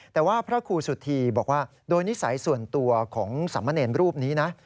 แต่ว่าพระครูสุธีบอกว่าโดยนิสัยส่วนตัวของสามเณรรูปนี้นะ